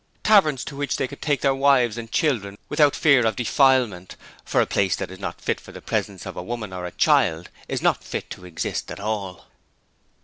Taverns to which they could take their wives and children without fear of defilement, for a place that is not fit for the presence of a woman or a child is not fit to exist at all.